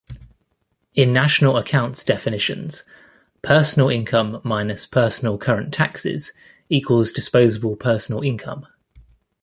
In national accounts definitions, personal income minus personal current taxes equals disposable personal income.